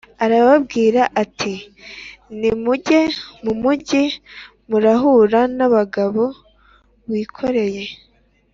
arababwira ati nimujye mu mugi murahura n umugab o wikoreye